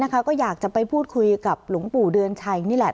ก็อยากจะไปพูดคุยกับหลวงปู่เดือนชัยนี่แหละ